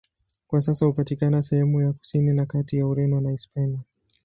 Kwa sasa hupatikana sehemu ya kusini na kati ya Ureno na Hispania.